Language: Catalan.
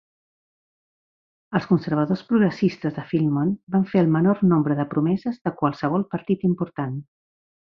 Els conservadors progressistes de Filmon van fer el menor nombre de promeses de qualsevol partit important.